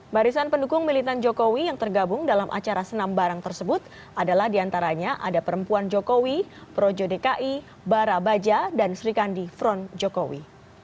barisan pendukung militan jokowi yang tergabung dalam acara senam barang tersebut adalah diantaranya ada perempuan jokowi pro jdki bara baja dan sri kandi front jokowi